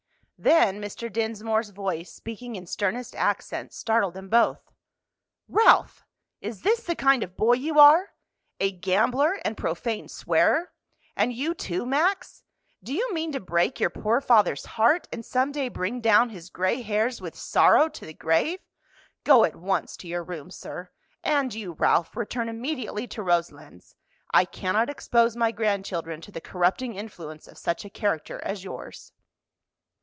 Then Mr. Dinsmore's voice, speaking in sternest accents, startled them both. "Ralph, is this the kind of boy you are? a gambler and profane swearer? And you, too, Max? Do you mean to break your poor father's heart and some day bring down his gray hairs with sorrow to the grave? Go at once to your room, sir. And you, Ralph, return immediately to Roselands. I cannot expose my grandchildren to the corrupting influence of such a character as yours."